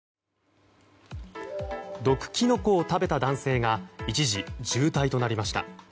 毒キノコを食べた男性が一時、重体となりました。